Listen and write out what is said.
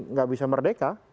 nggak bisa merdeka